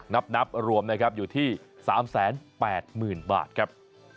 นับรวมนะครับอยู่ที่๓๘๐๐๐บาทครับ